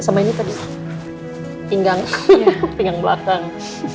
sama ini tadi pinggang pinggang belakang